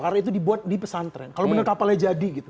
karena itu dibuat di pesantren kalau bener kapalnya jadi